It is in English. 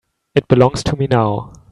It belongs to me now.